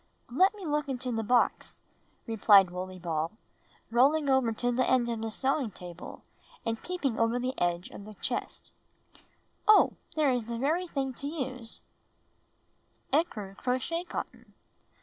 "Let me look into the box," rephed Wooley Ball, rolling over to the end of the sewing table and peeping over the edge of the chest, "Oh, there is the very thing to use — ecru crochet cotton.